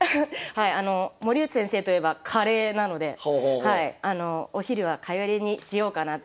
はいあの森内先生といえばカレーなので「お昼はカレーにしようかな」。